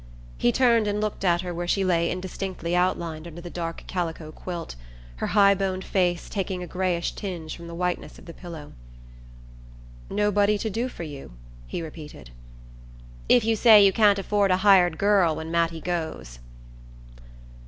He turned and looked at her where she lay indistinctly outlined under the dark calico quilt, her high boned face taking a grayish tinge from the whiteness of the pillow. "Nobody to do for you?" he repeated. "If you say you can't afford a hired girl when Mattie goes."